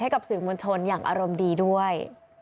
กับสื่อมวลชนอย่างอารมณ์ดีด้วย